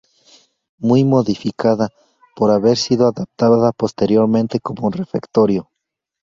Muy modificada por haber sido adaptada posteriormente como refectorio.